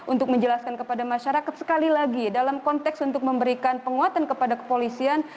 untuk menjelaskan kepada masyarakat sekali lagi dalam konteks untuk memberikan penguatan kepada kepolisian